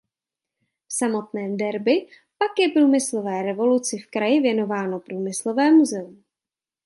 V samotném Derby pak je průmyslové revoluci v kraji věnováno Průmyslové muzeum.